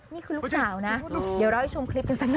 ลูกสาวนะเดี๋ยวเราให้ชมคลิปกันสักหน่อย